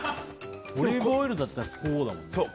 オリーブオイルだったらこうだもんね。